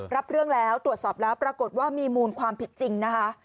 รับเรื่องแล้วตรวจสอบแล้วปรากฏว่ามีมูลความผิดจริงนะคะ